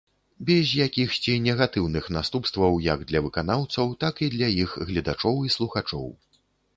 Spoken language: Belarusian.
Без якіхсьці негатыўных наступстваў як для выканаўцаў, так і для іх гледачоў і слухачоў.